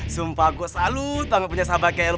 sumpah gue salut banget punya sahabat kayak lo